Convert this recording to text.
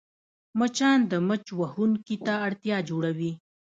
مچان د مچ وهونکي ته اړتیا جوړوي